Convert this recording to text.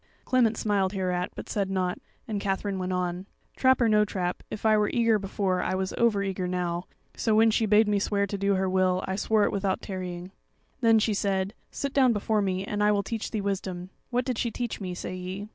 Clement smiled hereat, but said nought, and Katherine went on: "Trap or no trap, if I were eager before, I was over eager now; so when she bade me swear to do her will, I swore it without tarrying. "Then she said: 'Sit down before me, and I will teach thee wisdom.' What did she teach me? say ye.